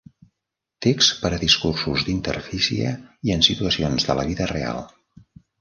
Text per a discursos d"interfície i en situacions de la vida real.